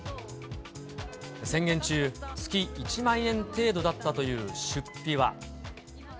宣言中、月１万円程度だったという出費は。